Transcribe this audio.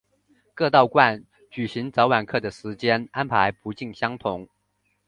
各道观举行早晚课的时间安排不尽相同。